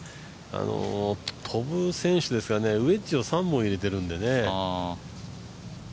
飛ぶ選手ですが、ウェッジを３本入れてるんでね。